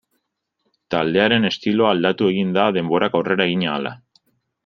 Taldearen estiloa aldatu egin da denborak aurrera egin ahala.